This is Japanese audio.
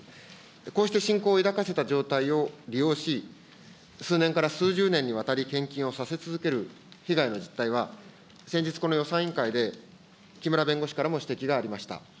こうして信仰を抱かせた状態を利用し、数年から数十年にわたり献金をさせ続ける被害の実態は、先日この予算委員会で、木村弁護士からも指摘がありました。